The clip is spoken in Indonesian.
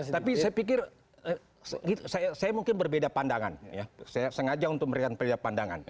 tapi saya pikir saya mungkin berbeda pandangan ya saya sengaja untuk memberikan perbedaan pandangan